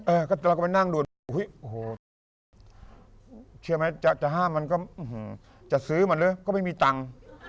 เออก็เราก็ไปนั่งดูดเชื่อมั้ยจะห้ามมันก็จะซื้อมันเลยก็ไม่มีตังค์